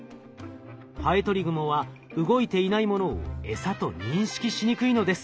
ハエトリグモは動いていないものを餌と認識しにくいのです。